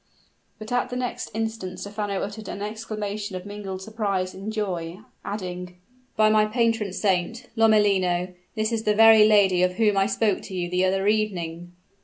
But at the next instant Stephano uttered an exclamation of mingled surprise and joy, adding, "By my patron saint! Lomellino, this is the very lady of whom I spoke to you the other evening!"